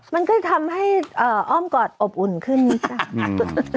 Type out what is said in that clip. มันก็จะทำให้อ้อมกอดอบอุ่นขึ้นนิดจ้ะ